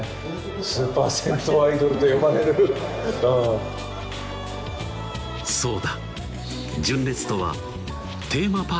スーパー銭湯アイドルと呼ばれるうんそうだ